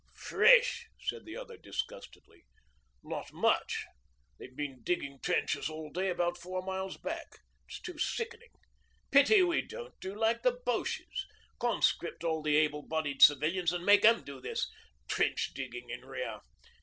'Fresh!' said the other disgustedly. 'Not much. They've been digging trenches all day about four miles back. It's too sickening. Pity we don't do like the Boches conscript all the able bodied civilians and make 'em do all this trench digging in rear.